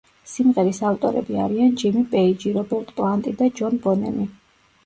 სიმღერის ავტორები არიან ჯიმი პეიჯი, რობერტ პლანტი და ჯონ ბონემი.